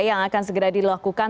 yang akan segera dilakukan